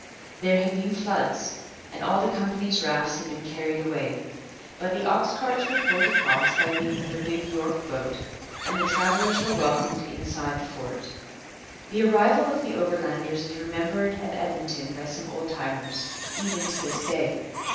There had been floods and all the company's rafts had been carried away. But the ox carts were poled across by means of a big York boat; and the travellers were welcomed inside the fort. The arrival of the Overlanders is remembered at Edmonton by some old timers even to this day.